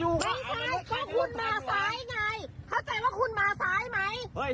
คุณมาซ้าย